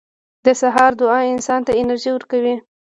• د سهار دعا انسان ته انرژي ورکوي.